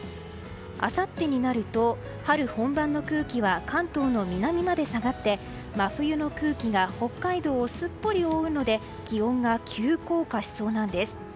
あさってになると春本番の空気は関東の南まで下がって真冬の空気が北海道をすっぽり覆うので気温が急降下しそうなんです。